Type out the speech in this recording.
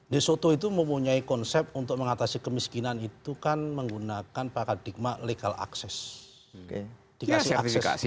de soto itu mempunyai konsep untuk mengatasi kemiskinan itu kan menggunakan paradigma legal access